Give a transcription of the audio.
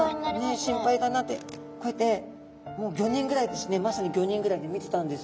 心配だなってこうやってもう５人ぐらいですねまさに５人ぐらいで見てたんです。